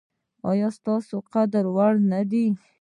ایا ستاسو قد لوړ نه دی؟